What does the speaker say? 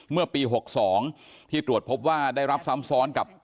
เมื่อปี๖๒ที่ตรวจพบว่าได้รับซ้ำซ้อนกับ